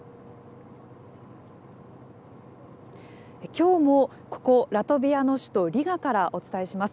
今日もここラトビアの首都リガからお伝えします。